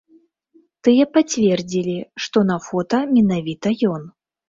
Тыя пацвердзілі, што на фота менавіта ён.